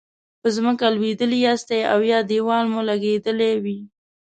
په ځمکه لویدلي یاستئ او یا دیوال مو لګیدلی وي.